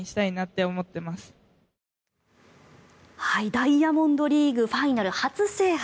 ダイヤモンド・リーグファイナル初制覇。